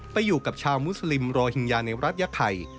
ไปอยู่กับชาวมุสลิมโรฮิงญาในรัฐยะไข่